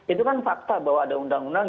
itu kan fakta bahwa ada undang undang